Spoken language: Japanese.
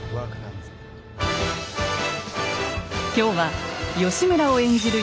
今日は義村を演じる